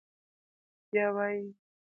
بيا وايي: